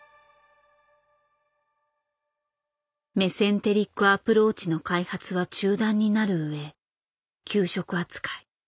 「メセンテリック・アプローチ」の開発は中断になる上休職扱い。